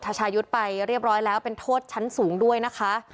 ชายุทธ์ไปเรียบร้อยแล้วเป็นโทษชั้นสูงด้วยนะคะ